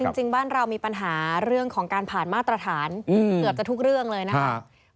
จริงบ้านเรามีปัญหาเรื่องของการผ่านมาตรฐานเกือบจะทุกเรื่องเลยนะครับ